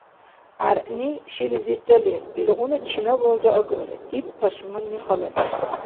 — ГӀяргӀни шилизирра лер, илгъуна — чинабалра агара, — иб пашманни хала нешли.